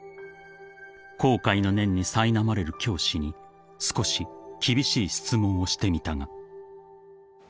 ［後悔の念にさいなまれる教師に少し厳しい質問をしてみたが］